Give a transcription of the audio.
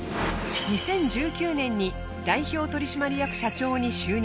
２０１９年に代表取締役社長に就任。